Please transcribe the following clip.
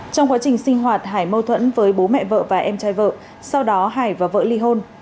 trong quá trình sinh hoạt hải mâu thuẫn với bố mẹ vợ và em trai vợ sau đó hải và vợ ly hôn